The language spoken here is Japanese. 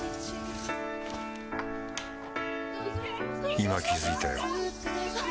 今気付いたよ